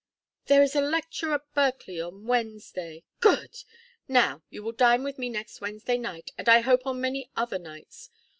"There is a lecture at Berkeley on Wednesday " "Good! Now, you will dine with me next Wednesday night and I hope on many other nights.